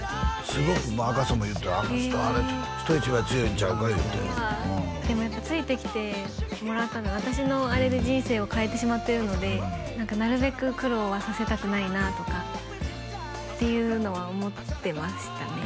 すごく赤楚も言うてたわあの人あれ人一倍強いんちゃうかいうてでもやっぱついてきてもらった私のあれで人生を変えてしまってるのでなるべく苦労はさせたくないなとかっていうのは思ってましたね